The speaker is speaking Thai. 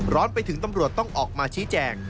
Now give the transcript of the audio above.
ร้อนไปถึงตำรวจต้องออกมาชี้แจง